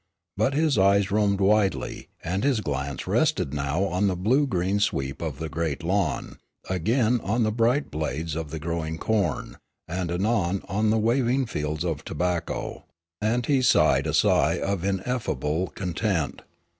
But his eyes roamed widely, and his glance rested now on the blue green sweep of the great lawn, again on the bright blades of the growing corn, and anon on the waving fields of tobacco, and he sighed a sigh of ineffable content.